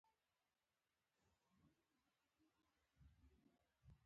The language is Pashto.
د ټرک بار په سمه توګه تړل ضروري دي.